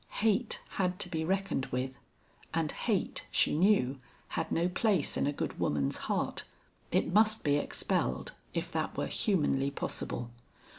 Hate had to be reckoned with, and hate, she knew, had no place in a good woman's heart. It must be expelled, if that were humanly possible.